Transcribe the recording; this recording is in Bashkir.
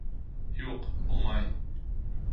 Юҡ, булмай.